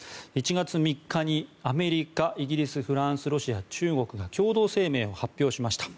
１月３日にアメリカ、イギリスフランス、ロシア、中国が共同声明を発表しました。